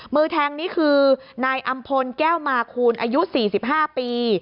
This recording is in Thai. มือแทงนี่คือนายอำพลแก้วมาคูณอายุ๔๕ปี